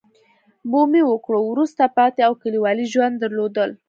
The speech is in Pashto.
بومي وګړو وروسته پاتې او کلیوالي ژوند درلود.